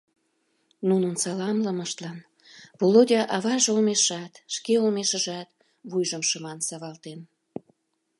нунын саламлымыштлан Володя аваж олмешат, шке олмешыжат вуйжым шыман савалтен.